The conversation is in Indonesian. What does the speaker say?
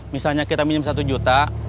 misalnya kita minim satu juta